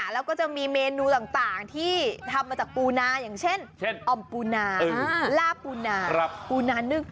แล้วก็จะมีเมนูต่างที่ทำมาจากปูนาอย่างเช่นเช่นอ่อมปูนาลาบปูนาปูนานึ่ง